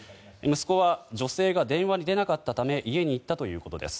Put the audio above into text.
息子は女性が電話に出なかったため家に行ったということです。